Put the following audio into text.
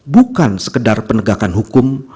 bukan sekedar penegakan hukum